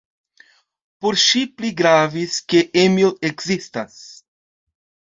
Por ŝi pli gravis, ke Emil ekzistas.